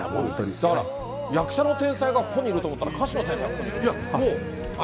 だから役者の天才がここにいると思ったら、歌手の天才。